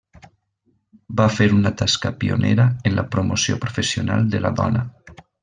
Va fer una tasca pionera en la promoció professional de la dona.